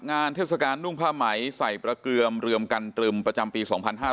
เทศกาลนุ่งผ้าไหมใส่ประเกือมเรือมกันตรึมประจำปี๒๕๕๙